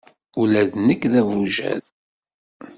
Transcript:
Ula d nekk d abujad.